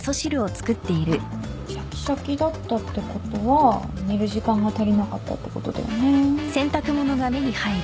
しゃきしゃきだったってことは煮る時間が足りなかったってことだよね。